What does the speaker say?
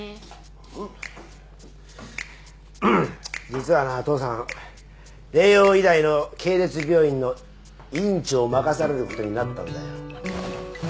実はな父さん麗洋医大の系列病院の院長を任されることになったんだよ。